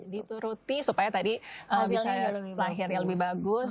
dituruti supaya tadi bisa lahirnya lebih bagus